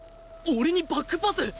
俺にバックパス？